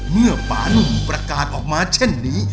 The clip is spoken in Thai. ป่านุ่มประกาศออกมาเช่นนี้